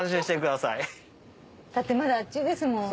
だってまだあっちですもん。